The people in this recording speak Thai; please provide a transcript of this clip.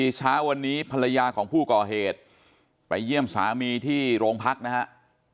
เช้าวันนี้ภรรยาของผู้ก่อเหตุไปเยี่ยมสามีที่โรงพักนะครับ